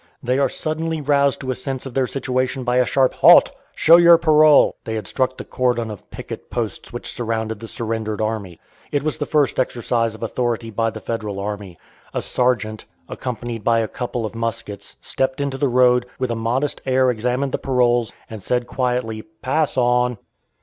They are suddenly roused to a sense of their situation by a sharp "Halt! show your parole!" They had struck the cordon of picket posts which surrounded the surrendered army. It was the first exercise of authority by the Federal army. A sergeant, accompanied by a couple of muskets, stepped into the road, with a modest air examined the paroles and said quietly, "Pass on."